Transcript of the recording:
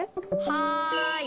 はい。